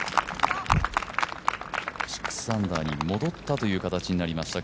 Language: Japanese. ６アンダーに戻った形になりました。